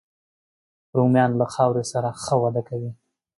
رومیان له خاورې سره ښه وده کوي